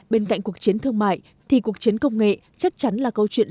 bên cạnh cuộc chiến thương mại thì cuộc chiến công nghệ chắc chắn là câu chuyện